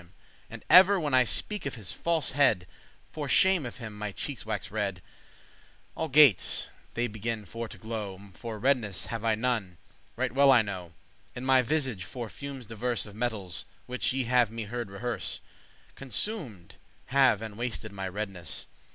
*paineth And ever, when I speak of his falsehead, For shame of him my cheekes waxe red; Algates* they beginne for to glow, *at least For redness have I none, right well I know, In my visage; for fumes diverse Of metals, which ye have me heard rehearse, Consumed have and wasted my redness.